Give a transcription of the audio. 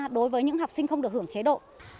đối với những học sinh không được hưởng chế độ